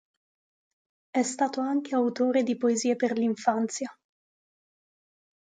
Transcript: È stato anche autore di poesie per l'infanzia.